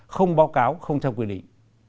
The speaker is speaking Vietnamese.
không báo cáo không theo quy định